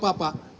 berjuang untuk apa